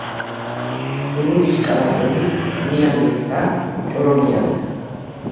დურუჯის კალაპოტი კლდიანი და ჭორომიანია.